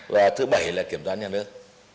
và thứ bảy là kiểm soát nhà nước